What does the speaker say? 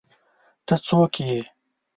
ته څوک ېې